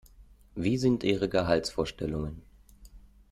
Wie sind Ihre Gehaltsvorstellungen?